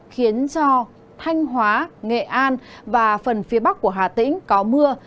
khiến cho thanh hóa nghệ an và phần phía bắc của hà tĩnh có mưa